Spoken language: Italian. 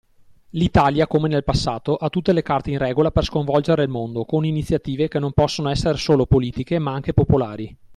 L'Italia come nel passato ha tutte le carte in regola per sconvolgere il mondo con iniziative che non possono essere solo politiche ma anche popolari.